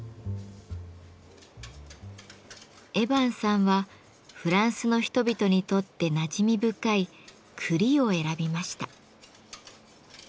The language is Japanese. エヴァンさんはフランスの人々にとってなじみ深い「栗」を選びました。